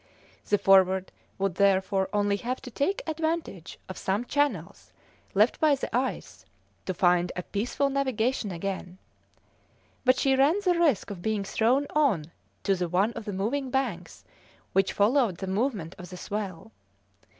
The Forward would therefore only have to take advantage of some channels left by the ice to find a peaceful navigation again, but she ran the risk of being thrown on to one of the moving banks which followed the movement of the swell.